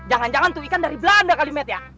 jangan jangan tuh ikan dari belanda kali matt ya